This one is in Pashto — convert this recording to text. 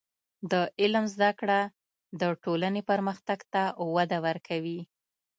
د علم زده کړه د ټولنې پرمختګ ته وده ورکوي.